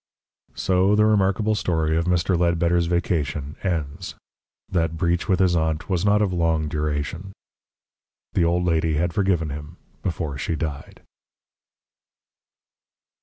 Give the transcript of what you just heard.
So the remarkable story of Mr. Ledbetter's Vacation ends. That breach with his aunt was not of long duration. The old lady had forgiven him before she died.